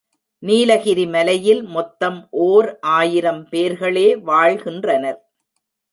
நீலகிரி மலையில் மொத்தம் ஓர் ஆயிரம் பேர்களே வாழ்கின்றனர்.